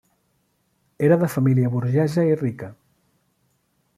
Era de família burgesa i rica.